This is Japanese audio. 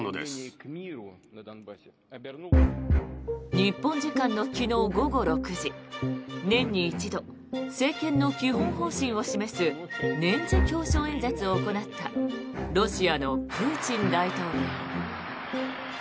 日本時間の昨日午後６時年に一度、政権の基本方針を示す年次教書演説を行ったロシアのプーチン大統領。